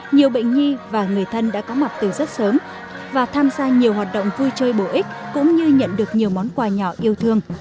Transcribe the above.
nhiều bệnh nhi và người thân đã có mặt từ rất sớm và tham gia nhiều hoạt động vui chơi bổ ích cũng như nhận được nhiều món quà nhỏ yêu thương